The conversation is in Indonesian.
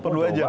per dua jam